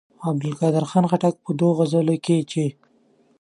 د عبدالقادر خان خټک په دوو غزلونو کې چې.